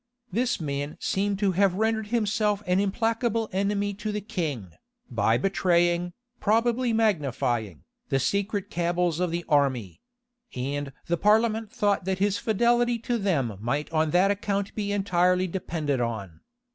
This man seemed to have rendered himself an implacable enemy to the king, by betraying, probably magnifying, the secret cabals of the army; and the parliament thought that his fidelity to them might on that account be entirely depended on.